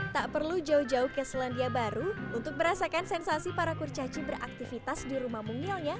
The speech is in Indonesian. tak perlu jauh jauh ke selandia baru untuk merasakan sensasi para kurcaci beraktivitas di rumah mungilnya